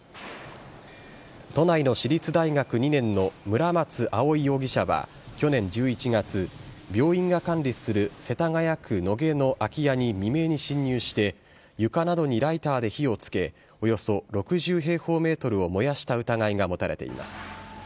都内の私立大学２年の村松葵容疑者は去年１１月、病院が管理する世田谷区野毛の空き家に未明に侵入して、床などにライターで火をつけ、およそ６０平方メートルを燃やした疑いが持たれています。